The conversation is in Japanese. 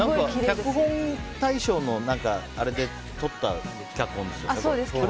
脚本大賞のあれでとった脚本ですよね。